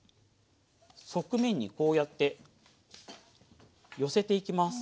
側面にこうやって寄せていきます。